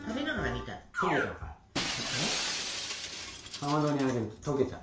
かまどにあげるととけちゃう。